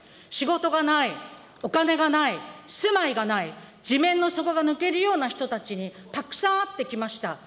仕事がない、お金がない、住まいがない、地面の底が抜けるような人たちにたくさん会ってきました。